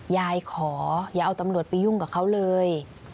ยายขออย่าเอาตำรวจไปยุ่งกับเขาเลย